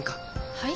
はい？